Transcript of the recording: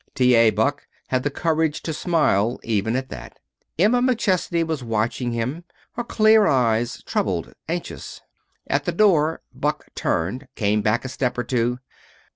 T. A. Buck had the courage to smile even at that. Emma McChesney was watching him, her clear eyes troubled, anxious. At the door Buck turned, came back a step or two.